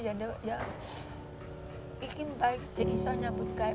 jadi saya ingin baik baiknya bisa menyambutkan